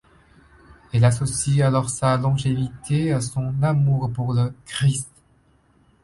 Elle associe alors sa longévité à son amour pour le Christ.